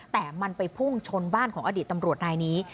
แต่มันไปพุ่งชนบ้านของอดีตตำรวจนายนี้